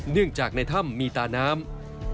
เนื่องจากในถ้ำมีตาน้ำ